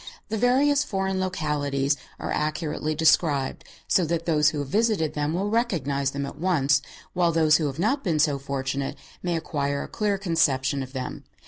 The various foreign localities are accurately described, so that those who have visited them will recognize them at once, while those who have not been so fortunate may acquire a clear conception of them.